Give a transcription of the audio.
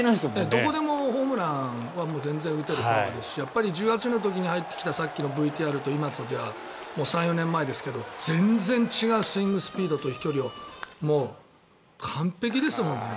どこでもホームランは全然打てるパワーですし１８歳の時に入ってきたさっきのＶＴＲと今のじゃ３４年前ですけど全然違うスイングスピードと飛距離を完璧ですよね。